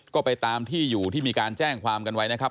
ก็ไปตามที่อยู่ที่มีการแจ้งความกันไว้นะครับ